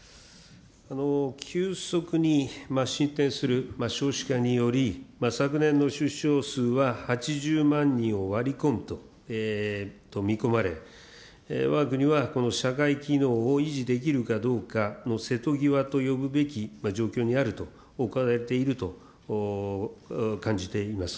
急速に進展する少子化により、昨年の出生数は８０万人を割り込むと見込まれ、わが国はこの社会機能を維持できるかどうかの瀬戸際と呼ぶべき状況にあると、置かれていると、感じています。